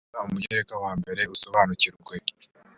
reba umugereka wa mbere usobanukirwe